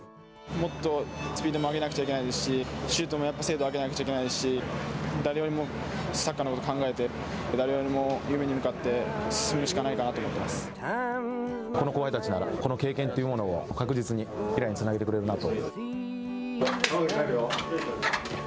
もっとスピードも上げなくちゃいけないですしシュートも精度を上げなくちゃいけないですし誰よりもサッカーのこと考えて誰よりも夢に向かってこの後輩たちならこの経験というものを確実に未来につなげてくれるなと。